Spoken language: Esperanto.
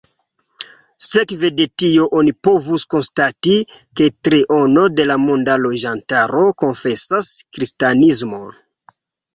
Sekve de tio oni povus konstati, ke triono de la monda loĝantaro konfesas kristanismon.